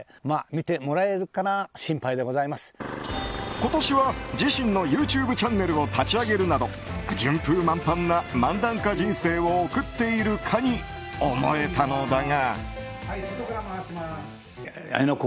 今年は自身のＹｏｕＴｕｂｅチャンネルを立ち上げるなど順風満帆な漫談家人生を送っているかに思えたのだが。